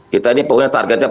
kita ini pokoknya targetnya